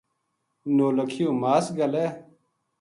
نولکھیو ماس گھلے